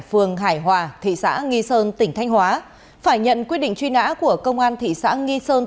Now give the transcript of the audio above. phường hải hòa thị xã nghi sơn tỉnh thanh hóa phải nhận quyết định truy nã của công an thị xã nghi sơn